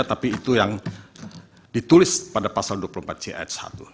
tapi itu yang ditulis pada pasal dua puluh empat c ayat satu